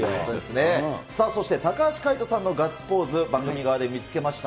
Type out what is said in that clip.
そして高橋海人さんのガッツポーズ、番組側で見つけました。